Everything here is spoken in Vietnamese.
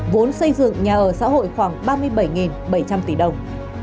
vốn xây dựng nhà ở xã hội khoảng ba mươi bảy bảy trăm linh tỷ đồng